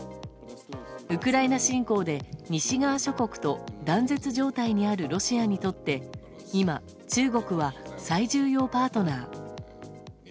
ウクライナ侵攻で西側諸国と断絶状態にあるロシアにとって今、中国は最重要パートナー。